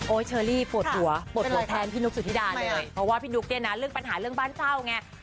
โอ๊ยเชอรรี่โผดหัวโผดหัวแทนนุลสุธธิดาเลย